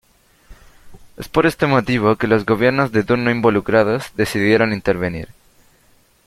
Es por este motivo que los gobiernos de turno involucrados decidieron intervenir.